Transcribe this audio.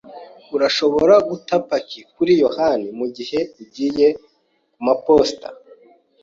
Urashobora guta paki kuri yohani mugihe ugiye kumaposita?